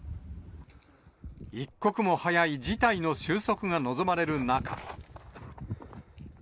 一刻も早い事態の収束が望まれる中。